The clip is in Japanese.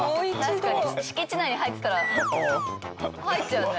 確かに敷地内に入ってたら入っちゃうね。